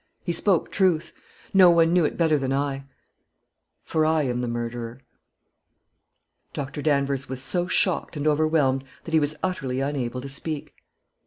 He spoke truth no one knew it better than I; for I am the murderer." Dr. Danvers was so shocked and overwhelmed that he was utterly unable to speak.